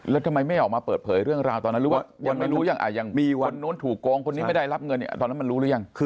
แล้วทำไมไม่ออกมาเปิดเผยเรื่องราวตอนนั้นหรือว่ายังไม่รู้ยังมีคนนู้นถูกโกงคนนี้ไม่ได้รับเงินเนี่ยตอนนั้นมันรู้หรือยัง